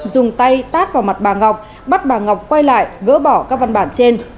dùng tay tát vào mặt bà ngọc bắt bà ngọc quay lại gỡ bỏ các văn bản trên